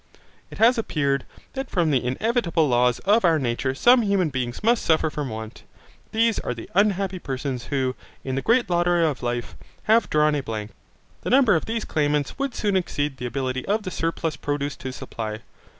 It has appeared, that from the inevitable laws of our nature some human beings must suffer from want. These are the unhappy persons who, in the great lottery of life, have drawn a blank. The number of these claimants would soon exceed the ability of the surplus produce to supply.